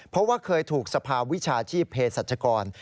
เพราะว่าเคยถูกสภาวิชาชีพเพศรัชกร